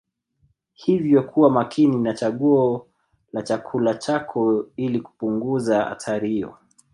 Hivyo kuwa makini na chaguo la chakula chako ili kupunguza hatari hiyo